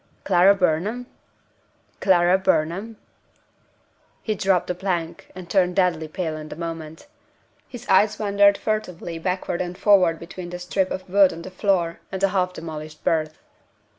"Clara Burnham? Clara Burnham?" He dropped the plank, and turned deadly pale in a moment. His eyes wandered furtively backward and forward between the strip of wood on the floor and the half demolished berth.